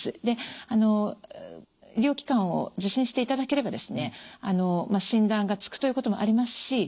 で医療機関を受診していただければですね診断がつくということもありますし